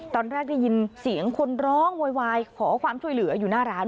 ตอนแรกได้ยินเสียงคนร้องโวยวายขอความช่วยเหลืออยู่หน้าร้าน